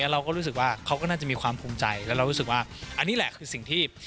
เราก็รู้สึกว่าเขาก็น่าจะมีความภูมิใจแล้วเรารู้สึกว่าอันนี้แหละคือสิ่งที่